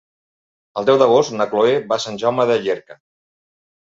El deu d'agost na Cloè va a Sant Jaume de Llierca.